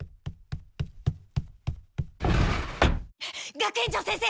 ・学園長先生